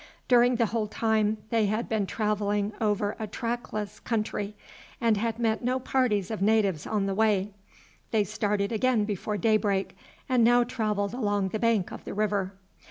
During the whole time they had been travelling over a trackless country, and had met no parties of natives on the way. They started again before daybreak, and now travelled along the bank of the river.